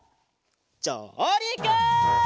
じょうりく！